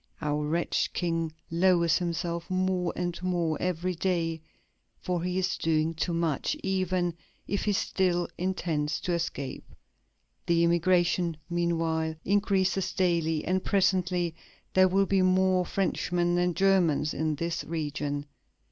"Our wretched King lowers himself more and more every day; for he is doing too much, even if he still intends to escape.... The emigration, meanwhile, increases daily, and presently there will be more Frenchmen than Germans in this region."